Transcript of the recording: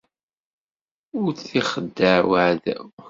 Ur t-ixeddeɛ uɛdaw.